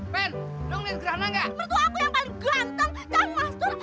menurut aku yang paling ganteng cang mastur